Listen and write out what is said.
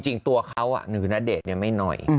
จริงตัวเขาอ่ะหนูณเดชน์ยังไม่หน่อย